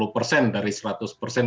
lima puluh persen dari seratus persen